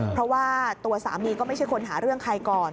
เพราะว่าตัวสามีก็ไม่ใช่คนหาเรื่องใครก่อน